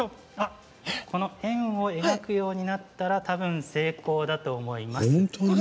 円を描くようになったらたぶん成功だと思います。